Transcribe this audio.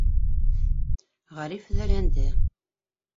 Ғариф өҙәләнде.